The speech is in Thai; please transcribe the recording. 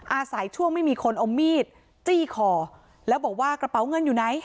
อาศัยช่วงไม่มีคนเอามีดจี้คอแล้วบอกว่ากระเป๋าเงินอยู่ไหน